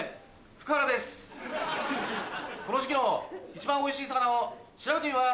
この時期の一番おいしい魚を調べてみます！